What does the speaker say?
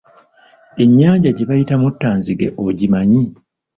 Ennyanja gye bayita Muttanzige ogimanyi?